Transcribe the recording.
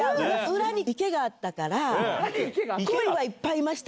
裏に池があったから、コイはいっぱいいました。